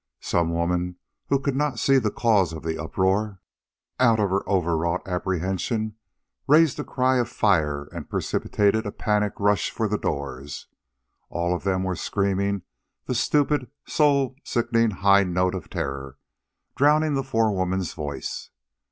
Some woman who could not see the cause of the uproar, out of her overwrought apprehension raised the cry of fire and precipitated the panic rush for the doors. All of them were screaming the stupid, soul sickening high note of terror, drowning the forewoman's voice.